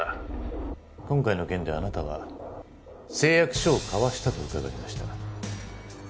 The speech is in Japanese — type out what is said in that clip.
今回の件であなたは誓約書を交わしたと伺いました。